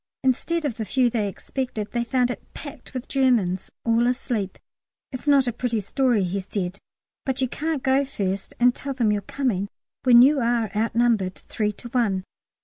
Instead of the few they expected they found it packed with Germans, all asleep. "It's not a pretty story," he said, "but you can't go first and tell them you're coming when you are outnumbered three to one."